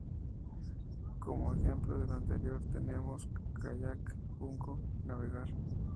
Como ejemplo de lo anterior tenemos: 舠, ‘kayak’; 舢, ‘junco’; 航, ‘navegar’.